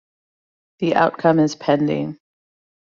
The outcome is pending.